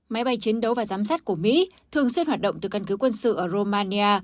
máy bay chiến đấu và giám sát của mỹ thường xuyên hoạt động từ căn cứ quân sự ở romania